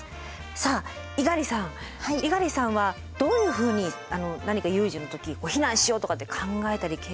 さあ猪狩さん猪狩さんはどういうふうに何か有事の時避難しようとかって考えたり計画ってありますか？